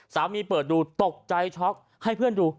เปิดดูตกใจช็อกให้เพื่อนดู